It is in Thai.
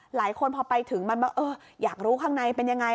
หลายคนพอไปถึงมันอยากรู้ข้างในเป็นยังไง